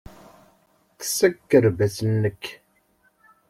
Kkes akerbas-nnek.